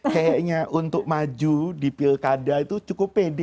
kayaknya untuk maju di pilkada itu cukup pede